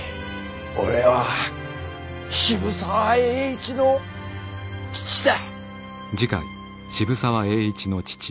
俺は渋沢栄一の父だ。